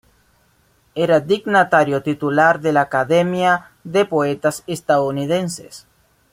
Era dignatario titular de la Academia de Poetas Estadounidenses.